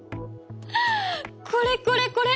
これこれこれ！